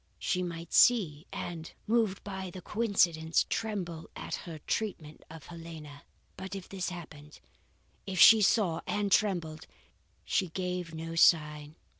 She might see, and, moved by the coincidence, tremble at her treatment of Helena. "But if this happened if she saw and trembled she gave no sign.